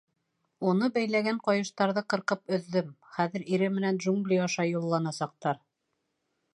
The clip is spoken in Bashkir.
Уны бәйләгән ҡайыштарҙы ҡырҡып өҙҙөм, хәҙер ире менән джунгли аша юлланасаҡтар.